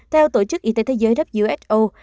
theo tổ chức y tế thế giới who